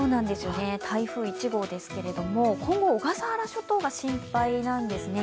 台風１号ですけれども、今後小笠原諸島が心配なんですね。